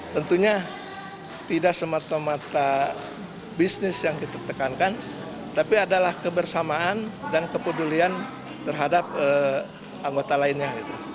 tentunya tidak semata mata bisnis yang kita tekankan tapi adalah kebersamaan dan kepedulian terhadap anggota lainnya